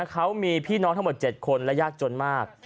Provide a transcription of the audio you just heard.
เขามีพี่น้องทั้งหมด๗คนและยากจนมาก